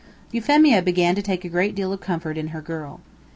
Euphemia began to take a great deal of comfort in her girl.